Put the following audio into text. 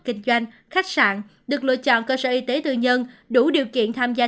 kinh doanh khách sạn được lựa chọn cơ sở y tế tư nhân đủ điều kiện tham gia